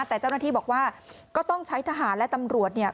แต่เจ้าหน้าที่บอกว่าก็ต้องใช้ทหารและตำรวจเนี่ย